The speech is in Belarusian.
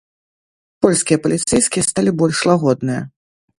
Польскія паліцэйскія сталі больш лагодныя.